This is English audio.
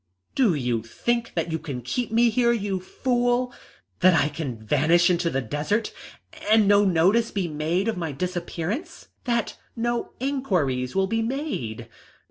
"Do you think that you can keep me here, you fool? That I can vanish into the desert and no notice be taken of my disappearance that no inquiries will be made?"